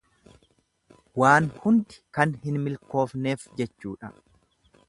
Waan hundi kan hin milkoofneef jechuudha.